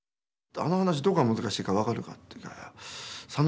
「あの噺どこが難しいか分かるか」って言うから「いや」。